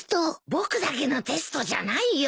僕だけのテストじゃないよ。